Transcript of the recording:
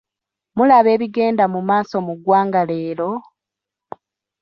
Mulaba ebigenda mu maaso mu ggwanga leero?